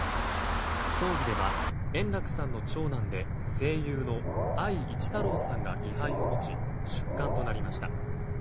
葬儀では円楽さんの長男で声優の会一太郎さんが位牌を持ち出棺となりました。